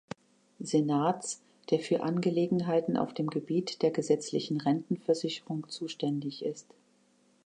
Senats, der für Angelegenheiten auf dem Gebiet der gesetzlichen Rentenversicherung zuständig ist.